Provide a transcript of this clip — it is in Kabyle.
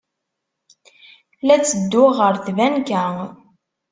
La ttedduɣ ɣer tbanka.